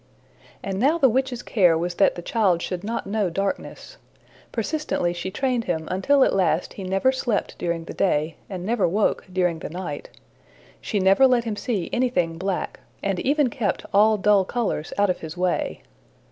And now the witch's care was that the child should not know darkness. Persistently she trained him until at last he never slept during the day and never woke during the night. She never let him see anything black, and even kept all dull colors out of his way.